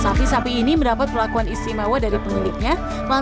sapi sapi ini mendapat perlakuan istimewa dari pemiliknya